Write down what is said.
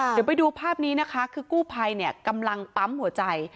เดี๋ยวไปดูภาพนี้นะคะคือกู้ภัยเนี่ยกำลังปั๊มหัวใจ